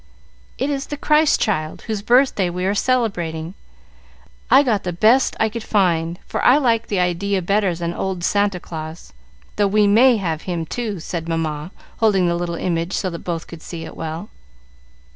"It is the Christ child, whose birthday we are celebrating. I got the best I could find, for I like the idea better than old Santa Claus; though we may have him, too," said Mamma, holding the little image so that both could see it well.